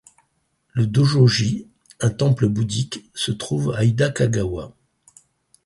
Le Dōjō-ji, un temple bouddhique, se trouve à Hidakagawa.